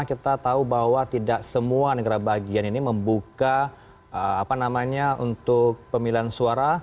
kita tahu bahwa tidak semua negara bagian ini membuka apa namanya untuk pemilihan suara